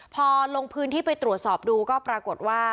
พอลงพื้นที่ไปตรวจสอบดูก็ปรากฏว่า